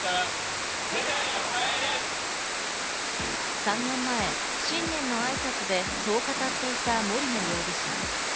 ３年前、新年の挨拶でそう語っていた、森野容疑者。